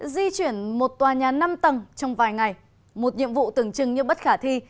di chuyển một tòa nhà năm tầng trong vài ngày một nhiệm vụ tưởng chừng như bất khả thi